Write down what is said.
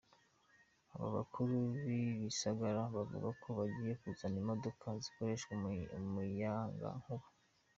Abo bakuru b'ibisagara bavuga ko bagiye kuzana imodoka zikoreshwa umuyagankuba.